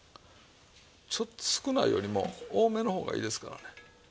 ちょっと少ないよりも多めの方がいいですからね。